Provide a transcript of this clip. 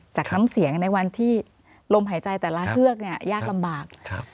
จากน้ำเสียงในวันที่ลมหายใจแต่ละเคือกแยกลำบาก